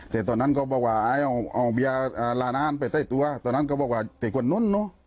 แต่ตอนนั้นเขาบอกว่าไอ้เอาเอาเบียร์อ่าลานานไปใส่ตัวตอนนั้นเขาบอกว่าแต่คนนั้นเนอะ